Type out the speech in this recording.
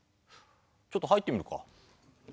ちょっと入ってみるか。